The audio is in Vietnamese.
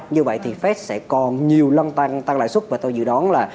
như vậy thì fed sẽ còn nhiều lần tăng lãi suất và tôi dự đoán là